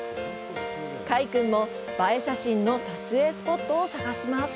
快くんも、映え写真の撮影スポットを探します。